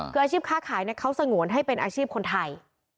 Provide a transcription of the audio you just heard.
คืออาชีพค้าขายเขาสงวนให้เป็นอาชีพคนไทย